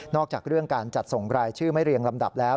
อกจากเรื่องการจัดส่งรายชื่อไม่เรียงลำดับแล้ว